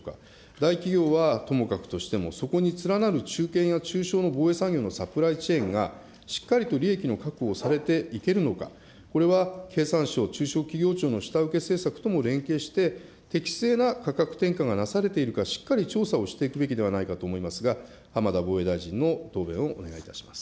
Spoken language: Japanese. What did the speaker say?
大企業はともかくとしても、そこに連なる中堅や中小の防衛産業のサプライチェーンがしっかりと利益の確保をされていけるのか、これは経産省、中小企業庁の下請け政策とも連携して、適正な価格転嫁がなされているか、しっかり調査をしていくべきではないかと思いますが、浜田防衛大臣のご答弁をお願いいたします。